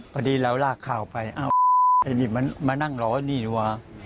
พอดีแล้วรากข่าวไปอ้าวไอ้นี่มันนั่งร้อนี่นี่นี่วะ